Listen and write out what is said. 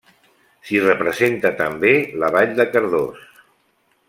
S'hi representa també la vall de Cardós.